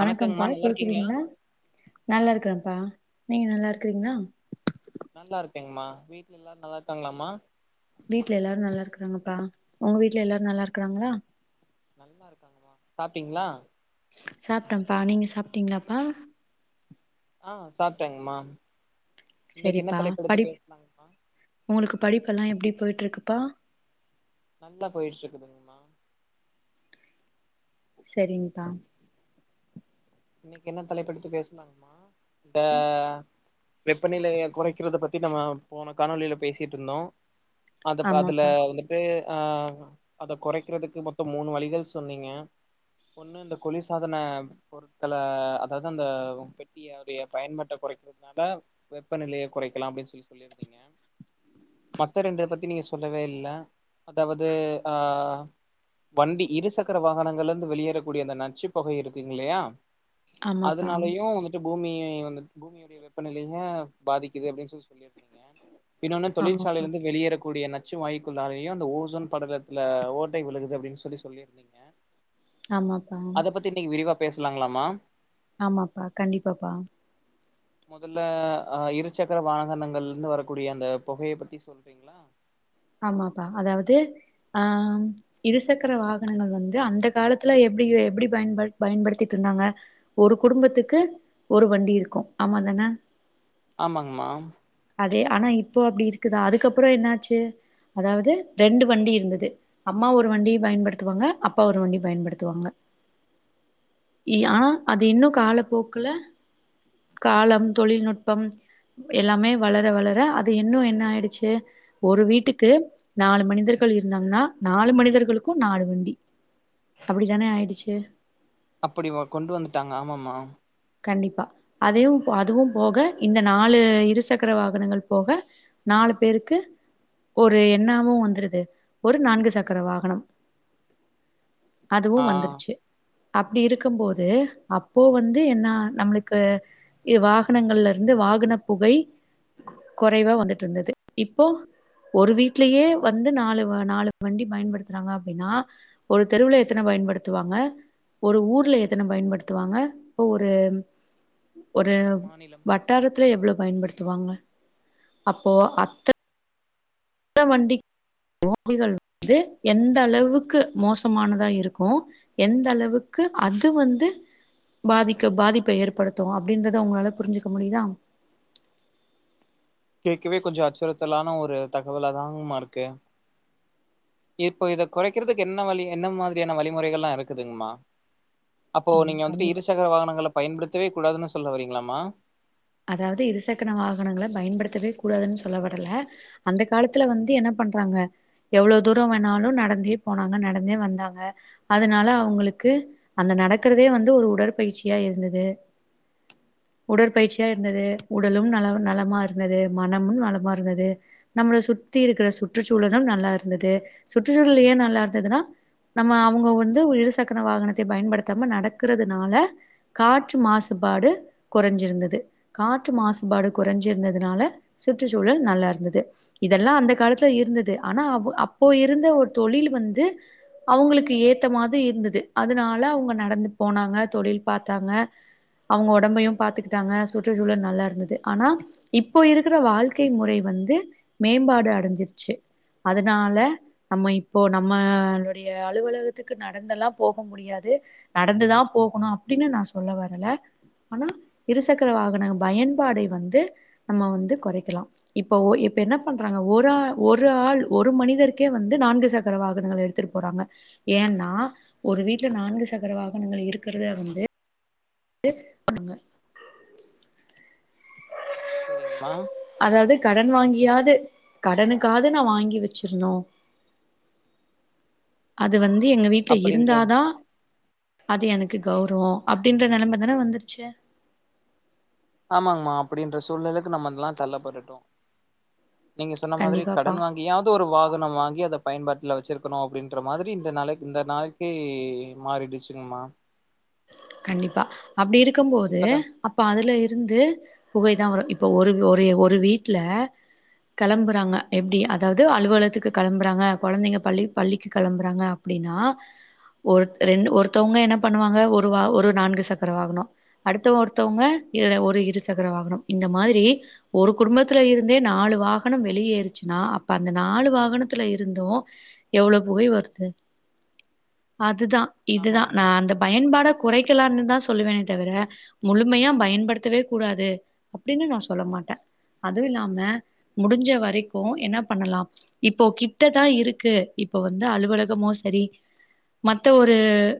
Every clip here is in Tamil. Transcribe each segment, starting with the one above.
வணக்கங்கம்மா நல்லா இருக்கீங்களா கேக்குதுங்களா நல்லா இருக்றப்பா நீங்க நல்லா இருக்கிறீங்களா ருக்கேமா வீட்ல எல்லாரு நல்லா இருக்காங்களாமா வீட்ல எல்லாரு நல்லா இருக்கறாங்கப்பா உங்க வீட்ல எல்லாரு நல்லா இருக்கறாங்களா நல்லா இருக்காங்கமா சாப்டிங்களா சாப்ட்டப்பா நீங்க சாப்ட்டீங்களாப்பா ஆஹ் சாப்ட்டேங்மா சரிப்பா படி உங்களுக்கு படிப்பு ப்போல்லாம் எப்படி போய்டட்டுருக்குப்பா நல்லா போயிட்டு இருக்குதுங்கம்மா சரிங்தா இன்னைக்கு என்ன தலைப்பெடுத்து பேசலாங்கம்மா ட வெப்பநிலையை குறைக்கிறத பத்தி நம்ம போன காணொலியில பேசிட்டு இருந்தோம் அது அதுல ஆமாப்பா வந்துட்டு ஆ அதை குறைக்கிறதுக்கு மொத்தம் மூணு வழிகள் சொன்னீங்க ஒண்ணு இந்த குளிர்சாதன பொரு ல அதாவது அந்த பெட்டியடைய பயன்பாட்ட கொறைக்கிறதுனால வெப்பநிலைய கொறைக்கலா அப்டின்னு சொல்லி சொல்லியிருந்தீங்க மத்த ரெண்டு பத்தி நீங்க சொல்லவே இல்ல அதாவது ஆ வண்டி இருசக்கர வாகனங்கள்ல இருந்து வெளியேறக்கூடிய அந்த நச்சுப்பொகை இருக்குங் இல்லையா ஆமாப்பா அதனாலையு வந்துட்டு பூமியை வந்து பூமியுடைய வெப்பநிலையமு பாதிக்குது அப்டின்னு சொ சொல்லி சொல்லிருந்தீங்க இன்னொன்னு தொழிற்சாலையில ஆமாப்பா இருந்து வெளியேறக்கூடிய ந சி வாயுக்குள்ளாரையு அந்த ஓசோன் படலத்துல ஓட்டை விழுகுது அப்படின் சொல்லி சொல்லியிருந்தீங்க ஆமாப்பா பேசலாங்களா மா ஆமாப்பா கண்டிப்பாப்பா மொதல்ல அ இரு சக்கர வாகனங்கள்னு வரக்கூடிய அந்த பொகைய பத்தி சொல்றீங்களா ஆமாப்பா அதாவது ஆ இருசக்கர வாகனங்கள் வந்து அந்த காலத்துல எப்டி எப்டி பயன்ப பயன்படுத்திட்டு இருந்தாங்க ஒரு குடும்பத்துக்கு ஒரு வண்டி இருக்கு ஆமா தான ஆமாங்மா அதே ஆனா இப்போ அப்டி இருக்குதா அதுக்கப்புறோ என்னாச்சு அதாவது ரெண்டு வண்டி இருந்தது அம்மா ஒரு வண்டி பயன்படுத்துவாங்க அப்பா ஒரு வண்டி பயன்படுத்துவாங்க ஆனா அது இன்னு காலப்போக்குல காலம் தொழில்நுட்பம் எல்லாமே வளர வளர அது இன்னு என்ன ஆயிடுச்சு ஒரு வீட்டுக்கு நாலு மனிதர்கள் இருந்தாங்னா நாலு மனிதர்களுக்கு நாலு வண்டி அப்படித்தானே ஆயிடுச்சு அப்படி கொண்டு வந்துட்டாங்க ஆமாமா கண்டிப்பா அதையு அதுவு போக இந்த நாலு இரு சக்கர வாகனங்கள் போக நாலு பேருக்கு ஒரு என்னாம வந்துருது ஒரு நான்கு சக்கர வாகனம் அதுவு ஆ வந்துருச்சு அப்டி இருக்கு போது அப்போ வந்த் என்ன நம்மளுக்கு இ வாகனங்கள்ல இருந்து வாகன புகை கொறைவா வந்துட்டு இருந்தது இப்போ ஒரு வீட்லயே வந்து நாலு வ நாலு வண்டி பயன்படுத்துறாங்க அப்படின்னா ஒரு தெருவுல எத்தன பயன்படுத்துவாங்க ஒரு ஊர்ல எத்தன பயன்படுத்துவாங்க ஒரு ஒரு மாநிலம் வட்டாரத்துல எவ்ளோ பயன்படுத்துவாங்க அப்போ அத்த வண்டி வண்டிகள் வந்து எந்த அளவுக்கு மோசமானதா இருக்கு எந்த அளவுக்கு அது வந்து பாதிக்க பாதிப்பை ஏற்படுத்து அப்படின்றத உங்களால புரிஞ்சுக்க முடியுதா கேட்க்கவே கொஞ்சோ அச்சுறுத்தலான ஒரு தகவலாதாமா இருக்கு இப்போ இத கொறைக்கிறதுக்கு என்ன வழி என்ன மாதிரியான வழிமுறைகள்லா இருக்குதுங்மா அப்போ ஆமா நீங்க வந்துட்டு கண்டிப்பா இருசக்கர வாகனங்கள பயன்படுத் பத்தவே கூடாதுன்னு சொல்ல வரீங்களாமா அதாவது இருசக்கன வாகனங்கள பயன்படுத்தவே கூடாதுன்னு சொல்ல வரல அந்த காலத்துல வந்து என்ன பண்றாங்க எவ்ளோ தூர வேணாலு நடந்தே போனாங்க நடந்தே வந்தாங்க அதனால அவுங்களுக்கு அந்த நடக்கறதே வந்து ஒரு உடற்பயிற்சியா இருந்தது உடற்பயிற்சி இருந்தது உடலும் நல நலமா இருந்தது மனமு நலமா இருந்தது நம்மள சுத்தி இருக்கிற சுற்றுச்சூழலு நல்லா இருந்தது சுற்றுச்சூழல் ஏ நல்லா இருந்ததுன்னா நம்ம அவுங்க வந்து இருசக்கர வாகனத்த பயன்படுத்தாம நடக்கறதுனால காற்று மாசுபாடு கொறஞ்சிருந்தது காற்று மாசுபாடு கொறஞ்சிருந்ததுனால சுற்றுச்சூழல் நல்லா இருந்தது இதெல்லா அந்த காலத்துல இருந்தது ஆனா அப்போ இருந்த ஒரு தொழில் வந்து அவுங்களுக்கு ஏத்தமாது இருந்தது அதனால அவுங்க நடந்து போனாங்க தொழில் பாத்தாங்க அவுங்க ஒடம்பையு பாத்துக்கிட்டாங்க சோ சுற்றுச்சூழல் நல்லா இருந்தது ஆனா இப்போ இருக்கிற வாழ்க்கை முறை வந்து மேம்பாடு அடைஞ்சிருச்சி அதனால நம்ம இப்போ நம்மளுடைய அலுவலகத்துக்கு நடந்தெல்லா போக முடியாது நடந்துதா போகணு அப்படின்னு நா சொல்ல வரல ஆனா இருசக் சக்கர வாகன பயன்பாடை வந்து நம்ம வந்து கொறைக்கலா இப்ப இப்ப என்ன பண்றாங்க ஒரு ஒரு ஆள் ஒரு மனிதருக்கே வந்து நான்கு சக்கர வாகனங்கள் எடுத்துட்டு போறாங்க ஏன்னா ஒரு வீட்டுல நான்கு சக்கர வாகனங்கள் இருக்கிறத வந்து ங்க சரிங்கம்மா அதாவது கடன் வாங்கி யாது கடனுக்காது நா வாங்கி வச்சிருனு அது வந்த் எங்க வீட்ல அப்படின்ற இருந்தாதா அது எனக் க்கு கௌரவோ அப்படின்ற நெலம தான வந்துருச்சு ஆமாங்மா அப்படின்ற சூழ்நிலைக்கு நம்ம அதெல்லா தள்ளப்பட்டுடோ நீங்க சொன்ன மாதிரி கண்டிப்பாப்பா கடன் வாங்கியாது ஒரு வாகனம் வாங்கி அத பயன்பாட்டுல வச்சிருக்கணு அப்படின்ற மாதிரி இந்த நாளைக் இந்த நாளைக்கே மாறிடுச்சுங்ம்மா கண்டிப்பா அப்டி இருக்கும்போது இப்பதா அப்ப அதுல இருந்து புகை தா வரு இப்ப ஒரு ஒரே ஒரு வீட்ல கிளம்புறாங்க எப்டி அதாவ்து அலுவலத்துக்கு கெளம்புறாங்க கொழந்தைங்க பள்ளி பள்ளிக்கு கெளம்புறாங்க அப்டின்னா ஒருத ரெண்ட் ஒருத்தவங்க என்ன பண்ணுவாங்க ஒரு துவா ஒரு நான்கு சக்கர வாகனோ அடுத்தவ ஒருத்தொவ்ங்க இல்ல ஒரு இரு சக்கர வாகனம் இந்த மாதிரி ஒரு குடும்பத்தில இருந்தே நாலு வாகனம் வெளியேருச்சின்னா அப்ப அந்த நாலு வாகனத்தில இருந்தூ எவ்ளோ புகை வருது அதுதா இதுதா நா ஆமாங்கம்மா அந்த பயன்பாட குறைக்கலானுதா சொல்லுவனே தவிர முழுமையா பயன்படுத்தவே கூடாது அப்டீன்னு நா சொல்ல மாட்டே அதுவு இல்லாம முடிஞ்ச வரைக்கூ என்ன பண்ணலா இப்போ கிட்டதா இருக்கு இப்போ வந்து அலுவலகமோ செரி மத்த ஒரு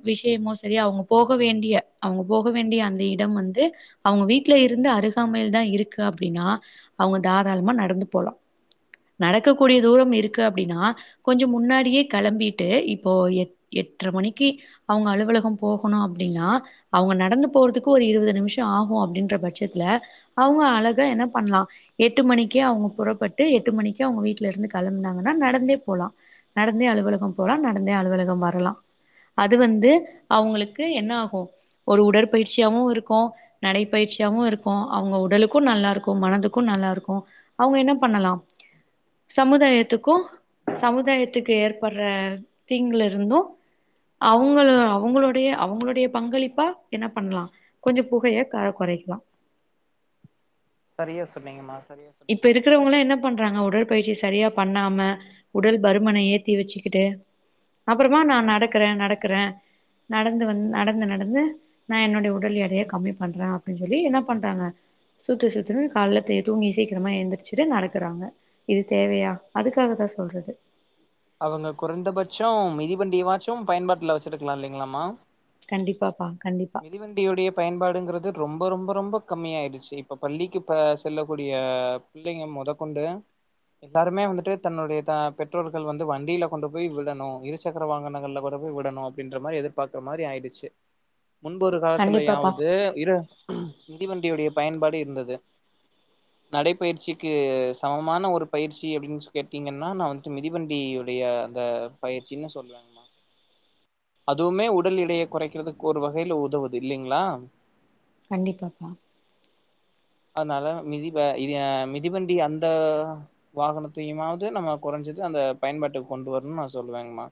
விஷயமோ செரி அவுங்குப் போக வேண்டிய அவங்க போக வேண்டிய அந்த இடம் வந்து அவங்க வீட்ல இருந்து அருகாமையில் தா இருக்கு அப்டின்னா அவங்க தாராளமா நடந்து போகலா நடக்கக்கூடிய தூரம் இருக்கு அப்டின்னா கொஞ்சோ முன்னாடியே கெளம்பீட்டு இப்போ எ எட்டர மணிக்கு அவுங்க அலுவலகம் போ கொணு அப்டின்னா அவங்க நடந்து போறதுக்கு ஒரு இருவது நிமிஷம் ஆகூ அப்டின்ற பட்சத்ல அவங்க அழகா என்ன பண்ணலா எட்டு மணிக்கே அவங்க புறப்பட்டு எட்டு மணக்குே அவங்க வீட்டுல இருந்து கெளம்புனாங்கன்னா நடந்தே போலா நடந்தே அலுவலகம் போலாம் நடந்தே அலுவலகம் வரலாம் அது வந்து அவுங்ளுக்கு து என்ன ஆகூ ஒரு உடற்பயிற்சியாவூ இருக்கூ நடைப்பயிற்சியாவூ இருக்கூ அவங்க உடலுக்கூ நல்லா இருக்கூ மனதுக்கூ நல்லா இருக்கூ அவங்க என்ன பண்ணலாம் சமுதாயத்திக்கூ சமுதாயத்திக்கு ஏற்பட்ற தீங்கல இருந்தூ அவுங்கள் அவுங்ளுடைய அவுங்ளுடைய பங்களிப்பா என்ன பண்ணலா கொஞ்ச புகைய க கொறைக்லா சரியா சொன்னீங்கம்மா சரியா இப்ப சொன்னீங்கம்மா இருக்றவங்கலா என்ன பண்றாங்க உடல் பயிற்சி சரியா பண்ணாம உடல் பறுமன ஏத்தி வச்சுக்கிட்டு அப்றமா நா நடக்றே நடக்றே நடந்து வந்து நடந்து நடந்து நா என்னொடைய உடல் எடைய கம்மி பண்றே அப்டின் சொல்லி என்ன பண்றாங்க சுத்து சுத்து காள்ளத்த எதும் ஈசிக் சீக்கிரமா எந்திரிச்சிடு நடக்குறாங்க இது தேவையா அதுக்காக தா சொல்றது அவங்க குறைந்தபட்சோ மிதி பண்டியவாச்சூ பயன்பாட்ல வச்சிருக்லா இல்லைங்ளாமா கண்டிப்பாப்பா கண்டிப்பா மிதிவந்தியுடைய பயன்பாடுங்கிறது ரொம்ப ரொம்ப ரொம்ப கம்மியாயிடுச்சு இப்ப பள்ளிக்கு ப செல்லக்கூடிய பிள்ளைங்க மொதகொண்டு எல்லாருமே வந்திட்டு தன்னுடைய தா பெற்றோர் கள் வந்து வண்டீல கொண்டு போய் விடணு இருசக்கர வாகனங்கள்ல கொண்டு போய் விடணு அப்டின்ற மாதிரி எதிர்பார்க்ற மாரி ஆய்டுச்சு முன்பொரு கண்டிப்பாப்பா காலத்துல்லயாவது இரு மிதிவண்டியுடைய பயன்பாடு இருந்தது நடைப்பயிற்சிக்கு சமமான ஒரு பயிற்சி அப்டின்ஸ் கேட்டீங்கன்னா நா வந்து மிதி வண்டியுடைய அந்த பயிற்சின்னு சொல்லுவங்ம்மா அதுவுமே உடல் எடையை குறைக்கிறதுக்கு ஒரு வகையில உதவுது இல்லைங்ளா கண்டிப்பாப்பா அதனால மிதி வ இதிய மிதிவண்டி அந்த வாகனத்தையுமாவ்து நம்ம குறஞ்சது அந்த பயன்பாட்டுக்கு கொண்டு வர்ணு நா சொல்லுவேங்ம்மா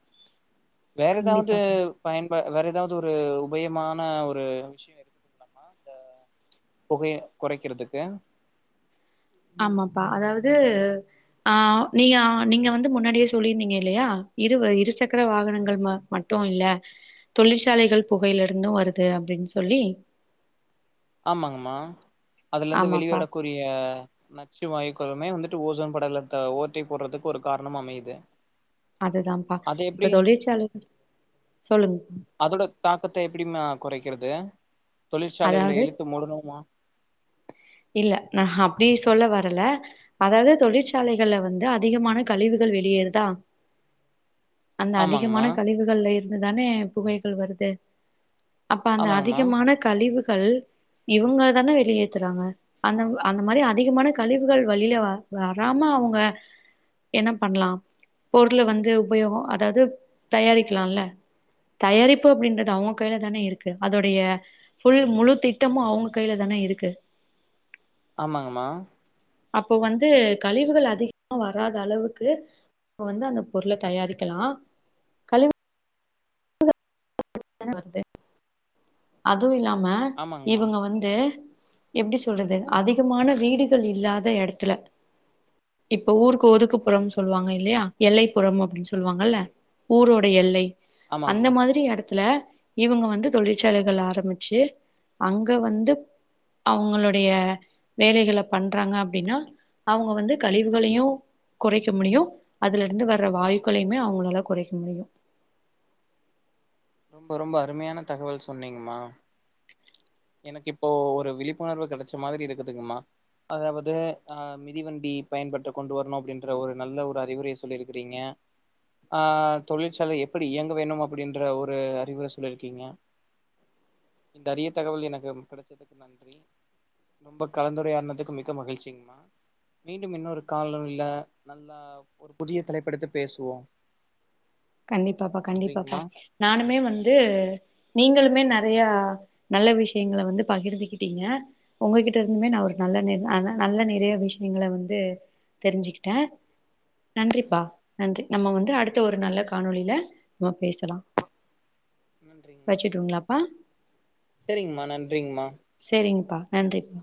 வேற எதாவ்து கண்டிப்பாப்பா பயன்பா வேற எத் ஏதாவது ஒரு உபயமான ஒரு விஷயம் இருக்குது இல்லாமா இந்த புகை கொறைக்றதிக்கு ஆமாப்பா அதாவது ஆ நீயான் நீங்க வந்து முன்னாடியே சொல்லியிருந்தீங்க இல்லையா இருவ இருசக்கர வாகனங்கள் ம மட்டூ இல்ல தொழிற்சாலைகள் புகையில இருந்தூ வருது அப்டின் சொல்லி ஆமாங்கம்மா அதுலந்து ஆமாப்பா வெளிவடக்கூரிய நச்சு வாய்கொழமே வந்துட்டு ஓசோன் படலத்த ஓட்டை போட்றதிக்கு ஒரு காரணமா அமைது அதுதாப்பா இப்ப தொழிற்சலைகள் சொல்லுங்ப்பா அதோட தாக்கத்தை எப்படிமா குறைக்கிறது தொழிற்சாலைகளை இழுத் போடணூமா இல்ல நா அப்டீ சொல்ல வரல அதாவ்து தொழிற்சாலைகள்ல வந்து அதிகமான கழிவுகள் வெளியேறுதா அந்த அதிகமான ஆமாங்கம்மா கழிவுகள்ல இர் இதுதானே புகைகள் வருது அப்ப அந்த ஆமாங்கம்மா அதிகமான கழிவு கள் இவங்க தானே வெளியே த்றாங்க அந்த அந்த மாரி அதிகமான கழிவுகள் வழியில வ வராம அவுங்க என்ன பண்ணலாம் பொருள வந்து உபயோகோ அதாது தயாரிக்லால தயாரிப்பு அப்டின்றது அவ்ங்க கைல தானே இருக்கு அதோடைய ஃபுல் முழு திட்டமூ அவங்க கையில தானே இருக்கு ஆமாங்ம்மா அப்போ வந்து கழிவுகள் அதிகமா வராத அளவுக்கு வந்து அந்த பொருள தயாரிக்கலா கழிவ் [unintelligible] தான வருது அதுவு இல்ல மா ஆமாங்கம்மா இவங்க வந்து எப்படி சொல்றது அதிகமான வீடுகள் இல்லாத இடத்துல இப்ப ஊருக் ஓதுக்குப்புறம் ம் சொல்லுவாங்க இல்லையா எல்லை புறம் அப்படின்னு சொல்லுவாங்கல்ல ஊரோட எல்லை ஆமாங்க மா அந்த மாதிரி இடத்துல இவங்க வந்து தொழிற்சாலைகள் ஆரம்பிச்சு அங்க வந்து அவங்களுடைய வேலைகள பண்றாங்க அப்படின்னா அவங்க வந்து கழிவுகளையு குறைக்க முடியும் அதுல இருந்து வற வாயுக்களையுமே அவங்களால குறைக்க முடியும் ரொம்ப ரொம்ப அருமையான தகவல் சொன்னீங்க மா எனக்கு இப்போ ஒரு விழிப்புணர்வு கிடைச்ச மாதிரி இருக்குதுங்கம்மா அதாவது அ மிதிவண்டி பயன்பட்டு கொண்டு வரணு அப்படின்ற ஒரு நல்ல ஒரு அறிவுரைைய சொல்லியிருக்கிறீங்க ஆ தொழிற்சாலை எப்படி இயங்க வேணும் அப்படின்ற ஒரு அறிவுரை சொல்லியிருக்கீங்க இந்த அறிய தகவல் எனக்கு கிடைச்சதுக்கு நன்றி ரொம்ப கலந்துரையாடினதுக்கு மிக மகிழ்ச்சிங்கமா மீண்டும் இன்னொரு கால இல்ல நல்லா ஒரு புதிய தலைப் எடுத்து பேசுவோ கண்டிப்பாபா கண்டிப்பாபா நன்றிங்கம்மா நானுமே வந்து நீங்களுமே நெறையா நல்ல விஷயங்கள வந்து பகிர்ந்துகிட்டிங்க உங்ககிட்ட இருந்துமே நா ஒரு நல்ல நிலயா நல்ல நிறைய விஷயங்கள வந்து தெரிஞ்சுகிட்ட நன்றிப்பா நன்றி நம்ம வந்து அடுத்த ஒரு நல்ல காணொலில நம்ம பேசலா நன்றிங்மா வச்சுட்டுங்களாப்பா செரிங்மா நன்றிங்மா செரிங்ப்பா நன்றிப்பா